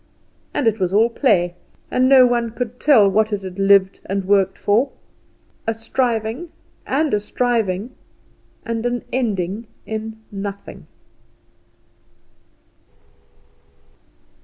And it was all play, and no one could tell what it had lived and worked for. A striving, and a striving, and an ending in nothing.